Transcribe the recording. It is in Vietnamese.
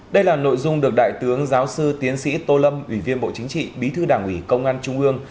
đây là nội dung được đại tướng giáo sư tiến sĩ tô lâm ủy viên bộ chính trị bí thư đảng ủy công an trung ương